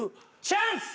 チャンス！